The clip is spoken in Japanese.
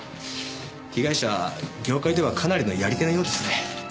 被害者は業界ではかなりのやり手のようですね。